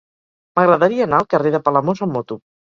M'agradaria anar al carrer de Palamós amb moto.